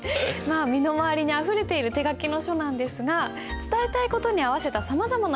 身の回りにあふれている手書きの書なんですが伝えたい事に合わせたさまざまな表現方法があるんです。